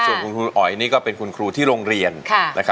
ส่วนคุณอ๋อยนี่ก็เป็นคุณครูที่โรงเรียน